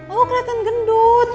aku keliatan gendut